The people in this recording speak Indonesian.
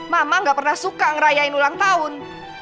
mama gak pernah suka ngerayain ulang tahun